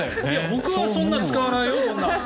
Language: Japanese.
僕はそんな使わないよ。